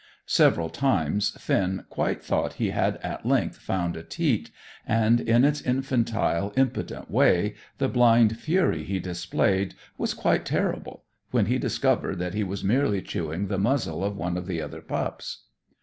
Several times Finn quite thought he had at length found a teat, and, in its infantile, impotent way, the blind fury he displayed was quite terrible, when he discovered that he was merely chewing the muzzle of one of the other pups.